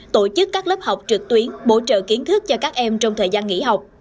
tổ chức các lớp học trực tuyến bổ trợ kiến thức cho các em trong thời gian nghỉ học